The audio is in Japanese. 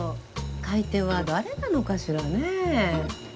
買い手は誰なのかしらねぇ。